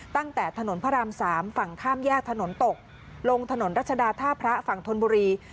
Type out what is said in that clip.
ตั้งแต่ถนนพระราม๓ฝั่งข้ามแยกถนนตกลงถนนรัชดาท่าพระฝั่งธนบุรี